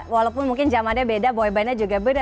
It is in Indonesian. walaupun mungkin zamannya beda boybandnya juga beda